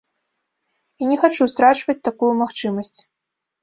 І не хачу страчваць такую магчымасць.